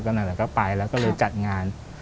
ก็ไปแล้วก็เลยจัดงาน